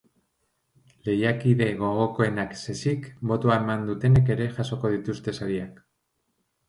Lehiakide gogokoenak ez ezik, botoa eman dutenek ere jasoko dituzte sariak.